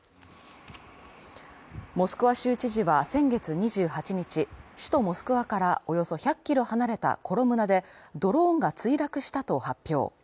モスクワ州知事は先月２８日、首都モスクワからおよそ１００キロ離れたコロムナでドローンが墜落したと発表。